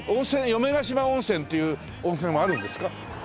嫁ヶ島温泉っていう温泉はあるんですか？